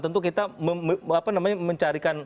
tentu kita mencarikan alternatif